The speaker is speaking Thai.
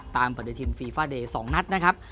ตามประโยชน์ฟีฟาเดยสองนัดนะครับ